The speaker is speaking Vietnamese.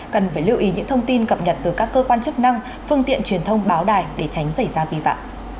cần phải lưu ý những thông tin cập nhật từ các cơ quan chức năng phương tiện truyền thông báo đài để tránh xảy ra vi phạm